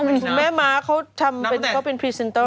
คุณแม่ม้าเขาทำเขาเป็นพรีเซนเตอร์